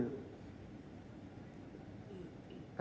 kalau tidak bisa ambil